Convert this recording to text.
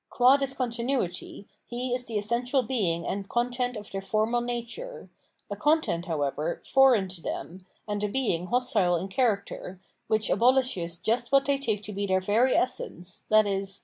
Qv/i this continuity, he is the essential being and content of their formal nature, — a content, however, foreign to them, and a being hostile in character, which abolishes just what they take to be their very essence, viz.